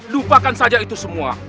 lupakan saja itu semua